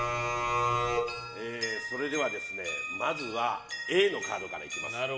それでは、まずはＡのカードからいきます。